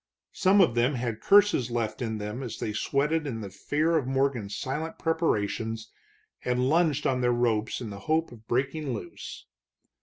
Some of them had curses left in them as they sweated in the fear of Morgan's silent preparations and lunged on their ropes in the hope of breaking loose.